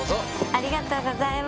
ありがとうございます。